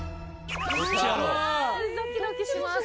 ⁉うわドキドキします。